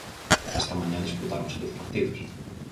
Esta mañá disputáronse dous partidos.